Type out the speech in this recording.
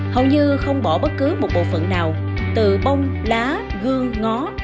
hầu như không bỏ bất cứ một bộ phận nào từ bông lá gương ngó